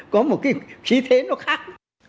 có một khí thế nó khác